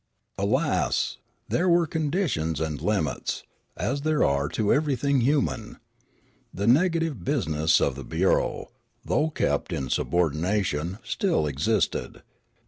Alas ! there were conditions and limits, as there are to everything human. The negative business of the bureau, though kept in subordination, still existed.